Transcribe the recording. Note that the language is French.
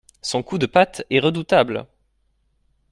Son coup de patte est redoutable.